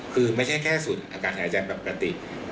คือไม่ใช่แค่สูตรอาการหายใจแบบปกติ